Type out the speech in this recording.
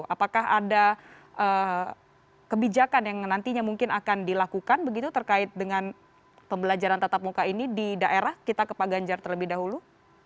apakah ada kebijakan yang nantinya mungkin akan dilakukan begitu terkait dengan pembelajaran tatap muka ini di daerah kita ke pak ganjar terlebih dahulu